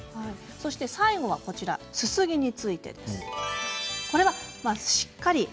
最後は、すすぎについてです。